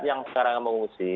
yang sekarang mengungsi